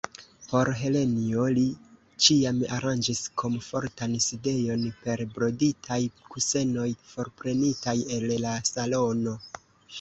Por Helenjo li ĉiam aranĝis komfortan sidejon per broditaj kusenoj forprenitaj el la salono.